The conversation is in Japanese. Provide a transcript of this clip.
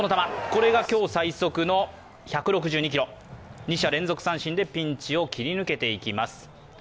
これが今日最速の１６２キロ、二者連続三振でピンチを切り抜けていきます。